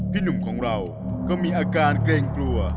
หนุ่มของเราก็มีอาการเกรงกลัว